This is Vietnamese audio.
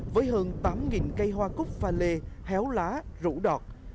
với hơn tám cây hoa cúc pha lê héo lá rũ đọt